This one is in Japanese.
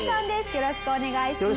よろしくお願いします。